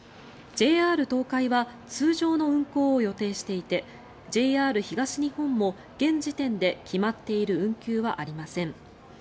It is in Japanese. ＪＲ東海は通常の運行を予定していてＪＲ東日本も現時点で決まっている運休はありません。